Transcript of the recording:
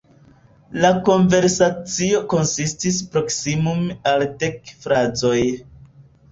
La konversacio konsistis proksimume al dek frazoj.